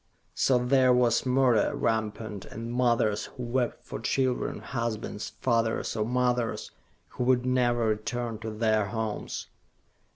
So there was murder rampant, and mothers who wept for children, husbands, fathers or mothers, who would never return to their homes.